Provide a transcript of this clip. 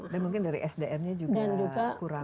dan mungkin dari sdm nya juga kurang